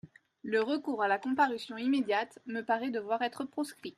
Le recours à la comparution immédiate me paraît devoir être proscrit.